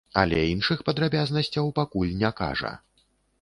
Але іншых падрабязнасцяў пакуль не кажа.